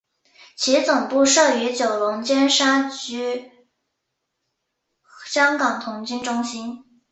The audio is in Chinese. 其总部设于九龙尖沙咀香港童军中心。